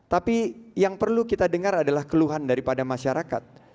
tapi yang perlu kita dengar adalah keluhan daripada masyarakat